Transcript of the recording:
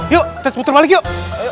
yuk kita putar balik yuk